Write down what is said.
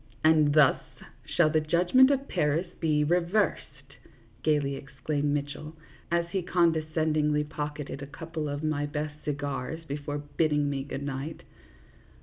"And thus shall the judgment of Paris be re THE JUDGMENT OF PARIS REVERSED. 65 versed," gayly exclaimed Mitchell, as he conde scendingly pocketed a couple of my best cigars before bidding me good night.